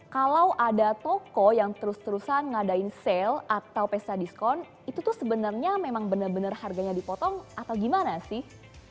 kalau ada toko yang terus terusan ngadain sale atau pesta diskon itu tuh sebenarnya memang benar benar harganya dipotong atau gimana sih